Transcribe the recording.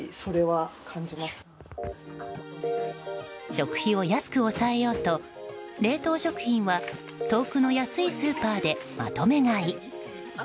食費を安く抑えようと冷凍食品は遠くの安いスーパーでまとめ買い。